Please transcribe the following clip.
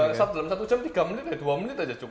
tiga saat dalam satu jam tiga menit aja dua menit aja cukup